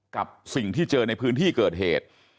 กับสิ่งที่เจอในพื้นที่เกิดเหตุ